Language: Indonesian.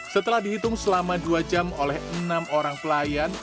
setelah dihitung selama dua jam oleh enam orang pelayan